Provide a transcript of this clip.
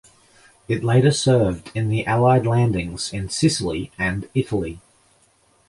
It later served in the Allied landings in Sicily and Italy.